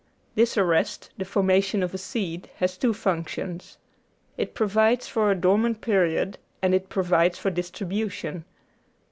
This arrest, the formation of a seed, has two functions. It provides for a dormant period and it provides for distribution.